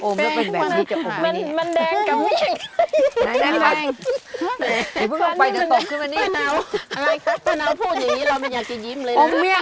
นายมันแด้งก็มีอ่ะ